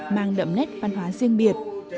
mang đậm nét văn hóa riêng biệt